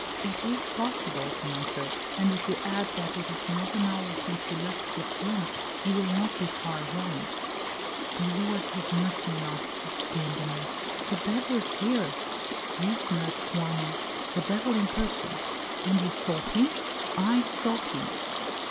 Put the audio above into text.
"It is possible," he answered; "and if you add that it is not an hour since he left this room, you will not be far wrong." "The Lord have mercy on us!" exclaimed the nurse: "the devil here!" "Yes, Nurse Juana, the devil in person." "And you saw him?" "I saw him."